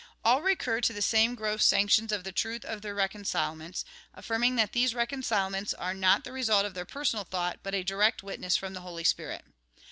All recur to the same gross sanctions of the truth of their reconcilements, affirming that these reconcilements are not the result of their personal thought, but a direct witness from the Holy Spirit.